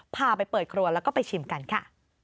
พาไปเปิดครัวแล้วก็ไปชิมกันค่ะ